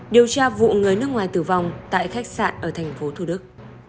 điều tra vụ người nước ngoài tử vong tại khách sạn ở thành phố thủ đức